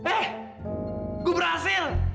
eh gue berhasil